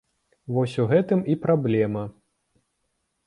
Вось у гэтым і праблема!